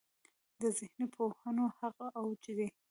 د ذهني پوهنو هغه اوج دی.